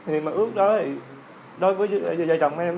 niềm mơ ước đó đối với vợ chồng em